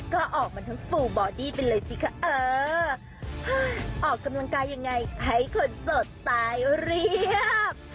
ก็ออกมาทั้งปู่บอดี้ไปเลยสิคะเออออกกำลังกายยังไงให้คนโสดตายเรียบ